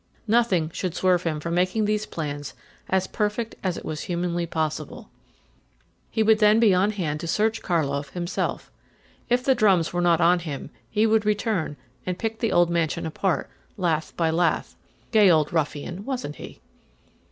Nothing should swerve him from making these plans as perfect as it was humanly possible. He would be on hand to search Karlov himself. If the drums were not on him he would return and pick the old mansion apart, lath by lath. Gay old ruffian, wasn't he?